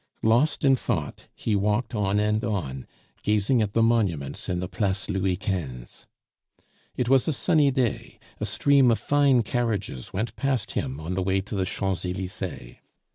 Lost in thought, he walked on and on, gazing at the monuments in the Place Louis Quinze. It was a sunny day; a stream of fine carriages went past him on the way to the Champs Elysees.